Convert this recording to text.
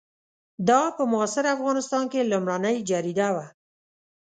دا په معاصر افغانستان کې لومړنۍ جریده وه.